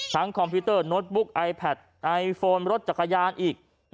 ทั้งคอมพิวเตอร์โน๊ตบุ๊กอายแพทย์ไอโฟนรถจักรยานอีก